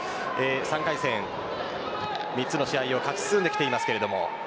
３回戦３つの試合を勝ち進んできています。